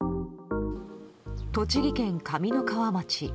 栃木県上三川町。